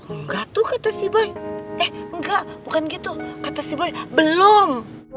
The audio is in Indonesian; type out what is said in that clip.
enggak tuh kata si bayi eh enggak bukan gitu kata si bayi belum